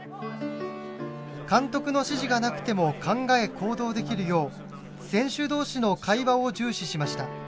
監督の指示がなくても考え行動できるよう選手同士の会話を重視しました。